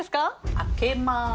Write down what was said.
開けます。